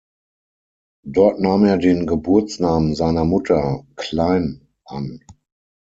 Dort nahm er den Geburtsnamen seiner Mutter, Klein, an.